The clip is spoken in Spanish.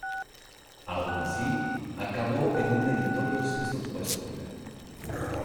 Aun así, acabó en un meritorio sexto puesto final.